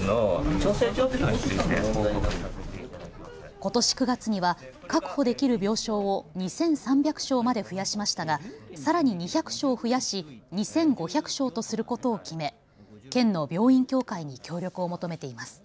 ことし９月には確保できる病床を２３００床まで増やしましたがさらに２００床増やし２５００床とすることを決め県の病院協会に協力を求めています。